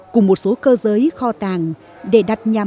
cùng một số cơ giới kho tàng để đặt nhà máy